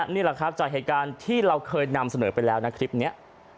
นี่แหละครับจากเหตุการณ์ที่เราเคยนำเสนอไปแล้วนะคลิปนี้